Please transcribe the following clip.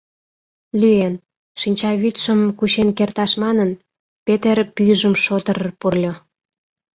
Лӱен... — шинчавӱдшым кучен керташ манын, Петер пӱйжым шотыр-р пурльо.